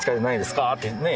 ってねえ